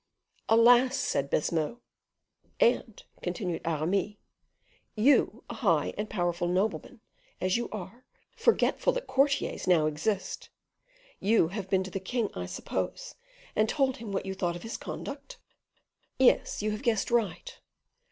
"Alas!" said Baisemeaux. "And," continued Aramis, "you, a high and powerful nobleman as you are, forgetful that courtiers now exist you have been to the king, I suppose, and told him what you thought of his conduct?" "Yes, you have guessed right."